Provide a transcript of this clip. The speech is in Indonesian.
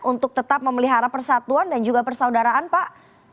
untuk tetap memelihara persatuan dan juga persaudaraan pak